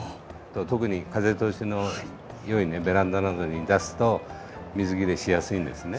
特に風通しの良いベランダなどに出すと水切れしやすいんですね。